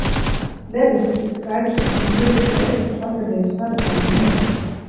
Debesis tik skaidras un tīras, vējš pēc vakardienas maratona mierīgs.